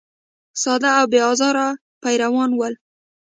ساده او بې آزاره پیران ول.